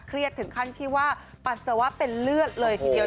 ถึงขั้นที่ว่าปัสสาวะเป็นเลือดเลยทีเดียว